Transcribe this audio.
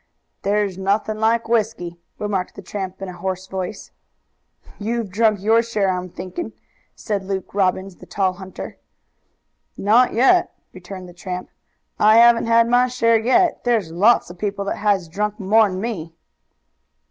"There's nothing like whisky," remarked the tramp in a hoarse voice. "You've drunk your share, I'm thinking," said Luke Robbins, the tall hunter. "Not yet," returned the tramp. "I haven't had my share yet. There's lots of people that has drunk more'n me."